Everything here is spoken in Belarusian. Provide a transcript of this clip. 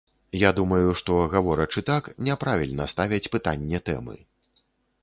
Я думаю, што, гаворачы так, няправільна ставяць пытанне тэмы.